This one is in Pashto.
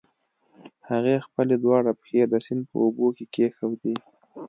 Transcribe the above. هغې خپلې دواړه پښې د سيند په اوبو کې کېښودې.